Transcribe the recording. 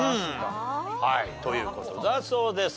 はいという事だそうです。